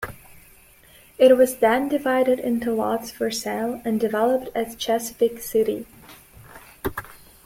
It was then divided into lots for sale and developed as Chesapeake City.